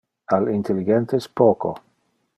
Al intelligentes poco.